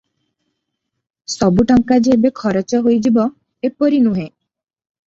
ସବୁ ଟଙ୍କା ଯେ ଏବେ ଖରଚ ହୋଇଯିବ; ଏପରି ନୁହେଁ ।